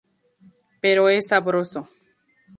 Pero es sabroso.